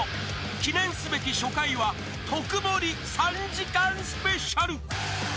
［記念すべき初回は特盛り３時間スペシャル］